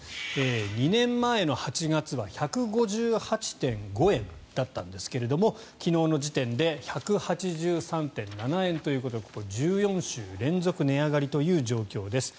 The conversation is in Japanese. ２年前の８月は１５８．５円だったんですが昨日の時点で１８３．７円ということでこれ、１４週連続値上がりという状況です。